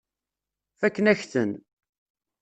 Fakken-ak-ten.